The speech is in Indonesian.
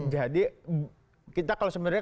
jadi kita kalau sebenarnya